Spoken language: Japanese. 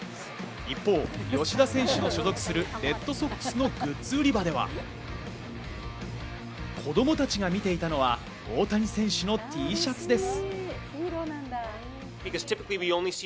一方、吉田選手の所属するレッドソックスのグッズ売り場では、子供たちが見ていたのは、大谷選手のＴシャツです。